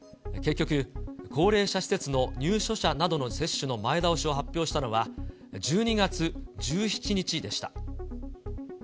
結局、高齢者施設の入所者などの接種の前倒しを発表したのは、１２月１７日でした。